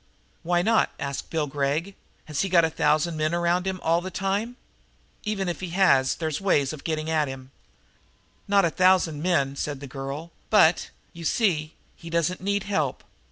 "Why not?" asked Bill Gregg. "Has he got a thousand men around him all the time? Even if he has they's ways of getting at him." "Not a thousand men," said the girl, "but, you see, he doesn't need help.